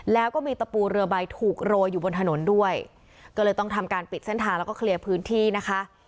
แล้วก็มีตะปูเรือใบถูกโรยอยู่บนถนนด้วยก็เลยต้องทำการปิดเส้นทางแล้วก็เคลียร์พื้นที่นะคะ